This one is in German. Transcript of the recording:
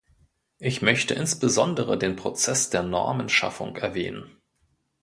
Ich möchte insbesondere den Prozess der Normenschaffung erwähnen.